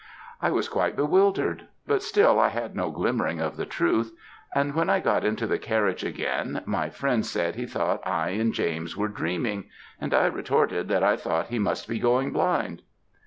"I was quite bewildered; but still I had no glimmering of the truth; and when I got into the carriage again, my friend said he thought I and James were dreaming, and I retorted that I thought he must be going blind.